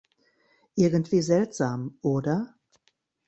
Irgendwie seltsam, oder?